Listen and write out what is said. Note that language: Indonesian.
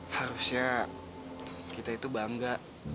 harusnya kita itu bangga